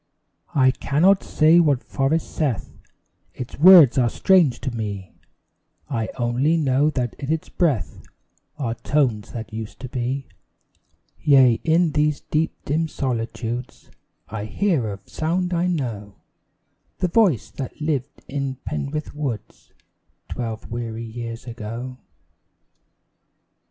I cannot say what forest saith Its words are strange to me: I only know that in its breath Are tones that used to be. Yea, in these deep dim solitudes I hear a sound I know The voice that lived in Penrith woods Twelve weary years ago.